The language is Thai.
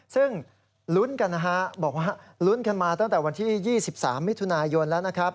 ซึ่งรุ่นกันขึ้นมาตั้งแต่วันที่๒๓มิถุนายนแล้วนะนะครับ